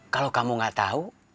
kalau kamu gak tau